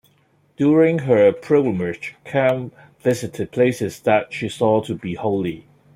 During her pilgrimage Kempe visited places that she saw to be holy.